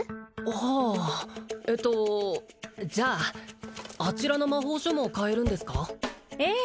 はあえっとじゃああちらの魔法書も買えるんですかええ